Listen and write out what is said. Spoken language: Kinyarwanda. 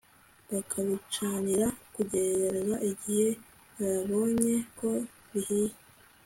bakabicanira kugeza igihe babonye ko bihiye